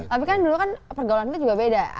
tapi kan dulu kan pergaulan kita juga beda